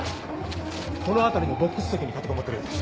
この辺りのボックス席に立てこもってるようです。